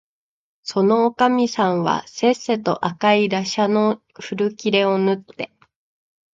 そのおかみさんはせっせと赤いらしゃの古切れをぬって、